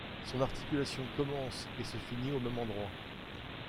Son articulation commence et se finit au même endroit.